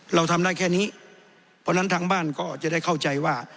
เราทำได้แค่นี้เพราะฉะนั้นทางบ้านก็จะได้เข้าใจว่า